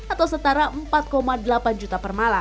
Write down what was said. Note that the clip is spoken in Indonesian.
atau setara empat delapan juta per malam